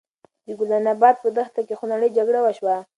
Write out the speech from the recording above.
د ګلناباد په دښته کې خونړۍ جګړه وشوه.